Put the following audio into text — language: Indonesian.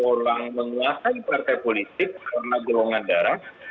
orang menguasai partai politik karena golongan darah